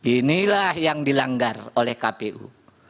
inilah yang dilanggar oleh kpu